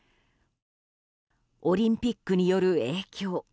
オリンピックによる影響。